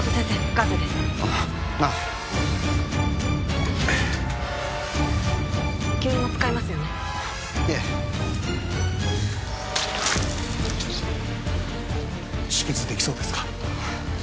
ガーゼですあっああ吸引も使いますよねええ止血できそうですか？